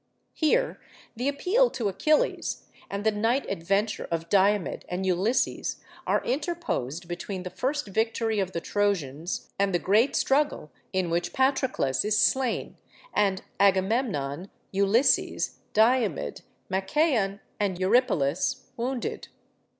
Here the appeal to Achilles and the night adventure of Diomed and Ulysses are interposed between the first victory of the Trojans and the great struggle in which Patroclus is slain, and Agamemnon, Ulysses, Diomed, Machaon, and Eurypylus wounded.